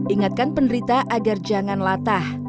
ingatkan penderita agar jangan latah